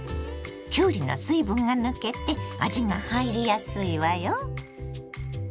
きゅうりの水分が抜けて味が入りやすいわよ。